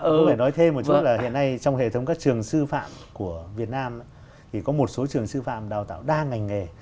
ơ phải nói thêm một chút là hiện nay trong hệ thống các trường sư phạm của việt nam thì có một số trường sư phạm đào tạo đa ngành nghề